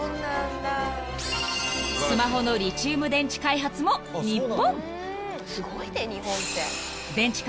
［スマホのリチウム電池開発も日本］